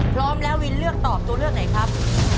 พร้อมแล้ววินเลือกตอบตัวเลือกไหนครับ